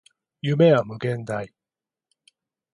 夢は無限大